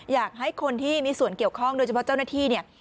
อยากให้คนที่มีส่วนเกี่ยวข้องโดยเฉพาะเจ้าหน้าที่เนี่ย